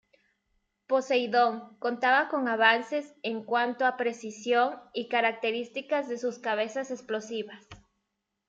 Poseidón contaba con avances en cuanto a precisión y características de sus cabezas explosivas.